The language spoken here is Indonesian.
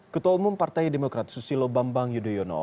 ketua umum partai demokrat susilo bambang yudhoyono